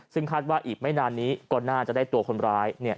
ซึ่งคาดว่าอีกไม่นานนี้ก็น่าจะได้ตัวคนร้ายเนี่ย